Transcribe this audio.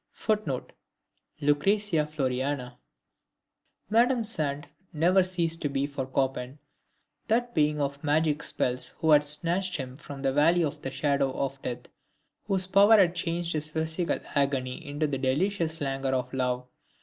[Footnote: LUCRESIA FLORIANA] Madame Sand never ceased to be for Chopin that being of magic spells who had snatched him from the valley of the shadow of death, whose power had changed his physical agony into the delicious languor of love.